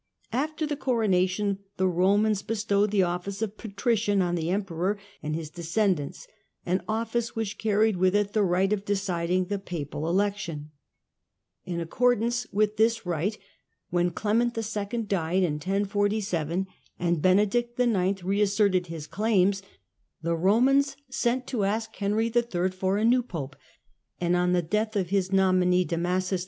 After the coronation the Romans 1046^'^°^' bestowed the office of Patrician on the Emperor and his descendants, an office which carried with it the right of deciding the papal election. In accordance with this TRANSFEKENCE FROM SAXONS TO SALTANS 35 right, when Clement II. died in 1047 and Benedict IX. reasserted his claims, the Eomans sent to ask Henry III. for a new Pope, and on the death of his nominee Damasus II.